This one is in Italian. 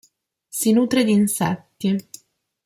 Si nutre di insetti.